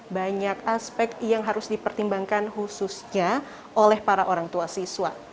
banyak aspek yang harus dipertimbangkan khususnya oleh para orang tua siswa